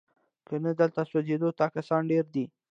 کنه دلته سوځېدو ته کسان ډیر دي